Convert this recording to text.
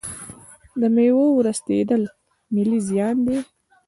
د میوو ورستیدل ملي زیان دی.